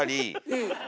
うん。